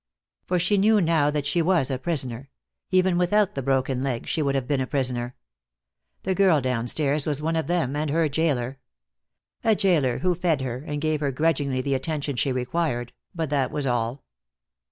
For she knew now that she was a prisoner; even without the broken leg she would have been a prisoner. The girl downstairs was one of them, and her jailer. A jailer who fed her, and gave her grudgingly the attention she required, but that was all.